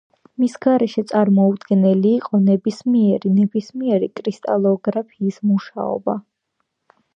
მის გარეშე წარმოუდგენელი იყო ნებისმიერი ნებისმიერი კრისტალოგრაფიის მუშაობა.